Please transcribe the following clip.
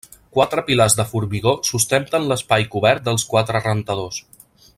Quatre pilars de formigó sustenten l'espai cobert dels quatre rentadors.